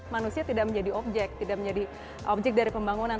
manusia tidak menjadi objek tidak menjadi objek dari pembangunan